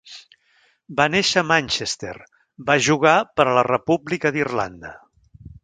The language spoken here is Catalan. Va néixer a Manchester, va jugar per a la República d'Irlanda.